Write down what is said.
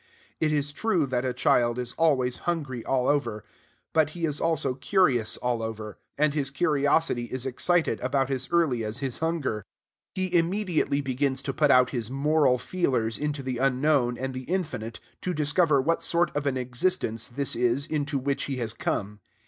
It is true that a child is always hungry all over: but he is also curious all over; and his curiosity is excited about as early as his hunger. He immediately begins to put out his moral feelers into the unknown and the infinite to discover what sort of an existence this is into which he has come.